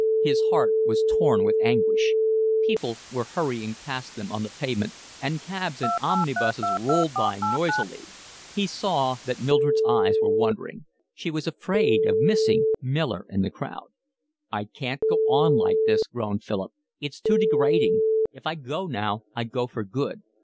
His heart was torn with anguish. People were hurrying past them on the pavement, and cabs and omnibuses rolled by noisily. He saw that Mildred's eyes were wandering. She was afraid of missing Miller in the crowd. "I can't go on like this," groaned Philip. "It's too degrading. If I go now I go for good.